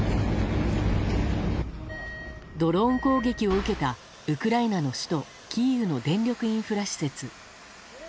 ドローン攻撃を受けたウクライナの首都キーウの電力インフラ施設。